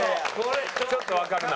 ちょっとわかるな。